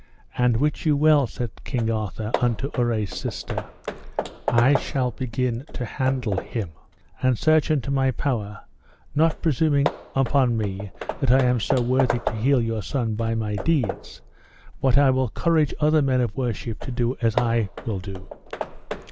And wit you well, said King Arthur unto Urre's sister, I shall begin to handle him, and search unto my power, not presuming upon me that I am so worthy to heal your son by my deeds, but I will courage other men of worship to do as I will do.